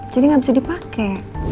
jadi gak bisa dipake